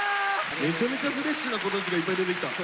めちゃめちゃフレッシュな子たちがいっぱい出てきた。